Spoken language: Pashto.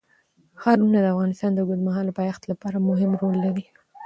ښارونه د افغانستان د اوږدمهاله پایښت لپاره مهم رول لري.